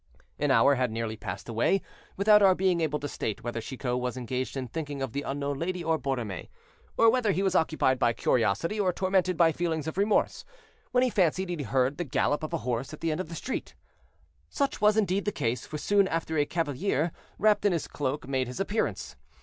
An hour had nearly passed away without our being able to state whether Chicot was engaged in thinking of the unknown lady or Borromée, or whether he was occupied by curiosity or tormented by feelings of remorse, when he fancied he heard the gallop of a horse at the end of the street. Such was indeed the case, for soon after a cavalier, wrapped in his cloak, made his appearance.